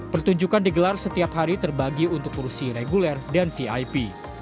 pertunjukan digelar setiap hari terbagi untuk kursi reguler dan vip